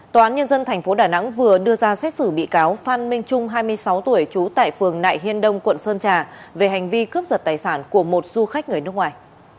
tòa án nhân dân tp đà nẵng vừa đưa ra xét xử bị cáo phan minh trung hai mươi sáu tuổi trú tại phường nại hiên đông quận sơn trà về hành vi cướp giật tài sản của một du khách người nước ngoài